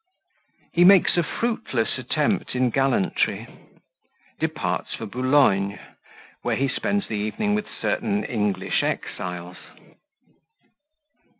He makes a fruitless Attempt in Gallantry Departs for Boulogne, where he spends the evening with certain English Exiles.